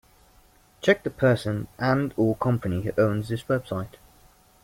Check the person and/or company who owns this website.